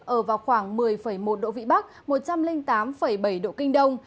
ở vào khoảng một mươi một độ vĩ bắc một trăm linh tám bảy độ kinh đông